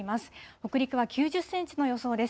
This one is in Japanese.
北陸は９０センチの予想です。